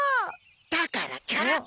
だからキャラ公！